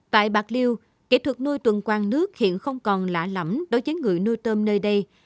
tại bạc liêu kỹ thuật nuôi tuần quang nước hiện không còn lạ lẫm đối với người nuôi tôm nơi đây